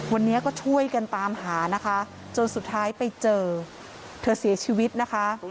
วันนี้ก็ช่วยกันตามหานะคะจนสุดท้ายไปเจอเธอเสียชีวิตนะคะ